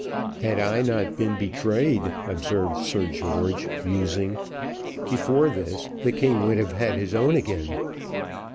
"Had I not been betrayed," observed Sir George, musing, "before this the king would have had his own again."